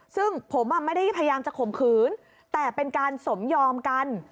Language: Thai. ซึ่งผมไม่ได้พยายามจะข่มขืนแต่เป็นการสมยอมกัน